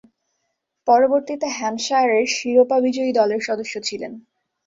পরবর্তীতে হ্যাম্পশায়ারের শিরোপা বিজয়ী দলের সদস্য ছিলেন।